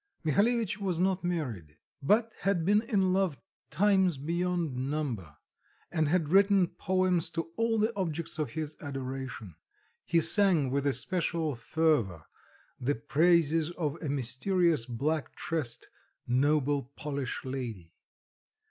Mihalevitch was not married: but had been in love times beyond number, and had written poems to all the objects of his adoration; he sang with especial fervour the praises of a mysterious black tressed "noble Polish lady."